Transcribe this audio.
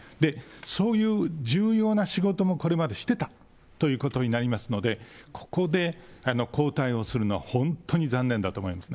そういう重要な仕事もこれまでしてたということになりますので、ここでこうたいをするのは、本当に残念だと思います。